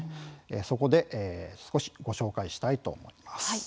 ここで少しご紹介したいと思います。